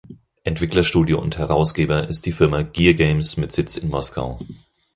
Entwicklerstudio und Herausgeber ist die Firma Gear Games mit Sitz in Moskau.